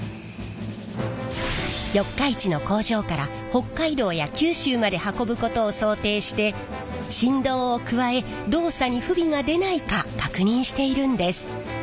四日市の工場から北海道や九州まで運ぶことを想定して振動を加え動作に不備が出ないか確認しているんです。